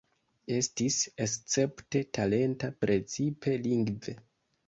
Estis escepte talenta, precipe lingve.